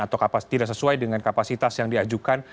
atau tidak sesuai dengan kapasitas yang diajukan